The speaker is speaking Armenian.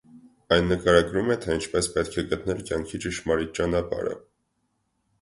Այն նկարագրում է, թե ինչպես պետք է գտնել կյանքի ճշմարիտ ճանապարհը։